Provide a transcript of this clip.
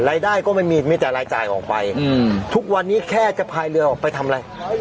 รายได้ก็ไม่มีมีแต่รายจ่ายออกไปทุกวันนี้แค่จะพายเรือออกไปทำอะไร